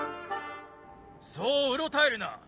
そううろたえるな！